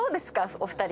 お二人。